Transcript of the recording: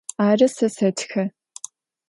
Arı, se setxe.